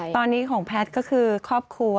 ตอนนี้ของแพทย์ก็คือครอบครัว